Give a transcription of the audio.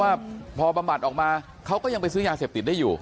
ว่าพอบำบัดออกมาเขาก็ยังไปซื้อยาเสพติดได้อยู่